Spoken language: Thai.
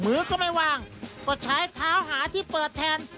มือก็ไม่ว่างก็ใช้เท้าหาที่เปิดแทน